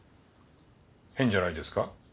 変じゃないですか？